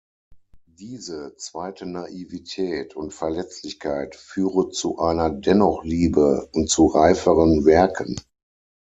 Diese zweite Naivität und Verletzlichkeit führe zu einer Dennoch-Liebe und zu reiferen Werken.